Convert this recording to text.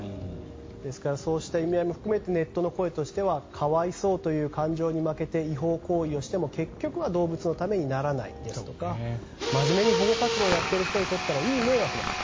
ですからそうした意味合いも含めてネットでは可哀想という感情に負けて違法行為をしても結局は動物のためにならないですとか真面目に保護活動をやっている人にとってはいい迷惑だと。